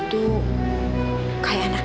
tuh kayak anak